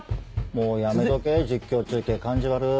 もうやめとけ実況中継感じ悪い。